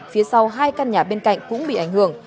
phía sau hai căn nhà bên cạnh cũng bị ảnh hưởng